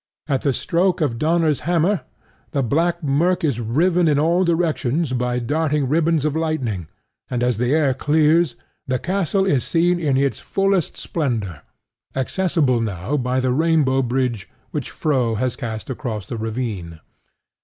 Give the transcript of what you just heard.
At the stroke of Donner's hammer the black murk is riven in all directions by darting ribbons of lightning; and as the air clears, the castle is seen in its fullest splendor, accessible now by the rainbow bridge which Froh has cast across the ravine.